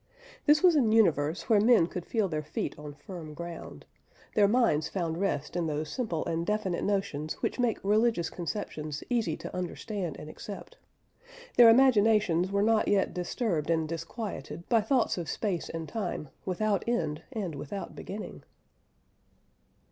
This was an universe where men could feel their feet on firm ground; their minds found rest in those simple and definite notions which make religious conceptions easy to understand and accept; their imaginations were not yet disturbed and disquieted by thoughts of space and time without end and without beginning.